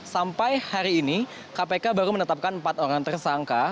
sampai hari ini kpk baru menetapkan empat orang tersangka